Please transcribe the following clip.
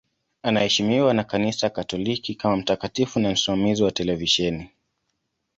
Anaheshimiwa na Kanisa Katoliki kama mtakatifu na msimamizi wa televisheni.